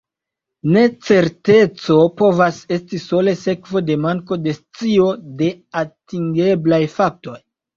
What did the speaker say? Necerteco povas esti sole sekvo de manko de scio de atingeblaj faktoj.